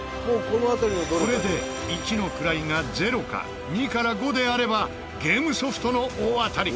これで一の位が０か２から５であればゲームソフトの大当たり。